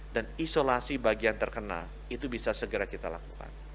dan isolasi bagian terkena itu bisa segera kita lakukan